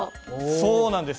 そうなんです。